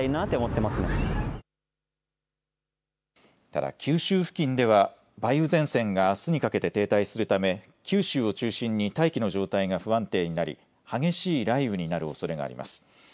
ただ、九州付近では梅雨前線があすにかけて停滞するため、九州を中心に大気の状態が不安定になり、激しい雷雨になるおそれがあります。